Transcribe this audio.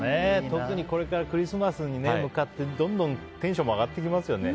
特に、これからクリスマスに向かってどんどんテンションも上がってきますよね。